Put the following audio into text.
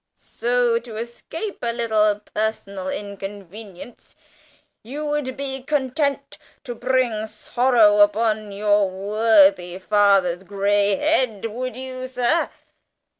"So, to escape a little personal inconvenience, you would be content to bring sorrow upon your worthy father's grey head, would you, sir?"